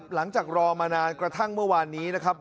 รอมานานกระทั่งเมื่อวานนี้นะครับ